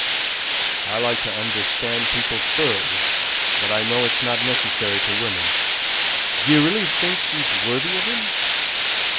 "Umph; I like to understand people thoroughly, but I know it's not necessary to women. D'ye really think she's worthy of him?"